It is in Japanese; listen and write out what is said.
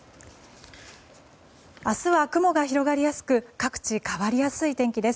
明日は雲が広がりやすく各地変わりやすい天気です。